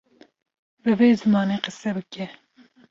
bi wê zimanê qise bike